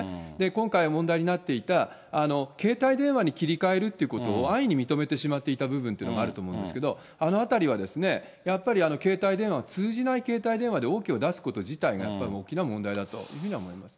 今回、問題になっていた携帯電話に切り替えるってことを、安易に認めてしまっていた部分もあると思うんですけれども、あの辺りはやっぱり携帯電話、通じない携帯電話でＯＫを出すこと自体が、やっぱり大きな問題だというふうには思いますね。